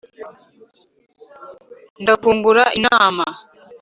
Ndakungura inama